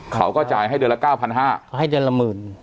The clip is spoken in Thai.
เขาก็จ่ายให้เดือนละเก้าพันห้าเขาให้เดือนละหมื่น